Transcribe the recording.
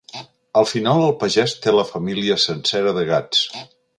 Al final el pagès té la família sencera de gats.